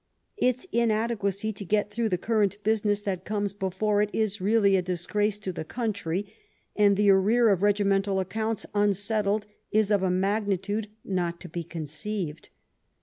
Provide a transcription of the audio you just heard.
Its inadequacy to get through the current business that comes before it is really a disgrace to the country, and the arrear of regimental accounts unsettled is of a magnitude not to be conceived.